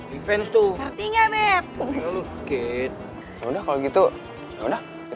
ya ngapa dong sekali kali kita revenge ya kan